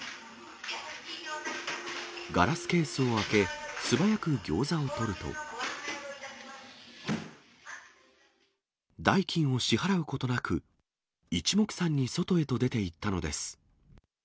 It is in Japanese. ガラスケースを開け、素早くギョーザをとると、代金を支払うことなく、いちもくさんに外へと出ていったのです。